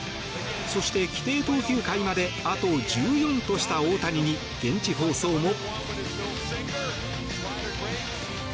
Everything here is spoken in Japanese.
そして、規定投球回まであと１４とした大谷に現地放送も。